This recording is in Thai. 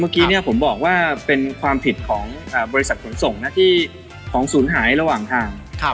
เมื่อกี้ผมบอกว่าเป็นความผิดของบริษัทขนส่งนะที่ของศูนย์หายระหว่างทาง